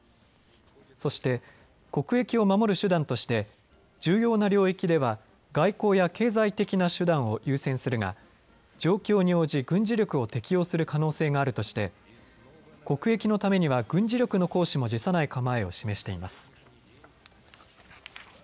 そして、国益を守る手段として重要な領域では外交や経済的な手段を優先するが状況に応じ軍事力を適用する可能性があるとして国益のためには軍事力の行使も辞さない構えを示しています。